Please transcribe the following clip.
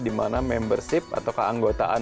dimana membership atau keanggotaan